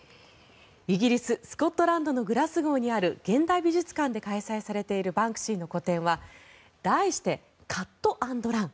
イギリス・スコットランドのグラスゴーにある現代美術館で開催されているバンクシーの個展は題して「カット・アンド・ラン」。